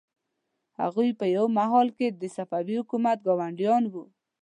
هغوی په یوه مهال کې د صفوي حکومت ګاونډیان وو.